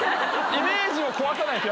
イメージを壊さないです